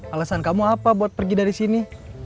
alasan kamu apa buat pergi dari sini